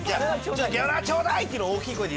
じゃあ「ギャラはちょうだい！」っていうのを大きい声で。